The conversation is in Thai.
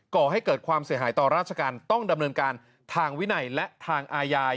ก่อให้เกิดความเสียหายต่อราชการต้องดำเนินการทางวินัยและทางอาญา